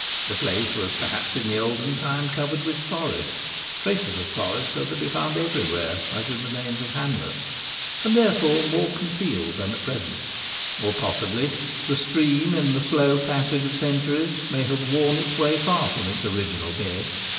The place was per haps in the olden time covered with forest (traces of forest are to be found everywhere, as in the names of hamlets), and therefore more concealed than at pre sent Or, possibly, the stream, in the slow passage of centuries, may have worn its way far from its original bed.